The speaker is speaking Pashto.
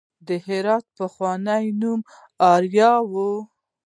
د هرات پخوانی نوم اریا و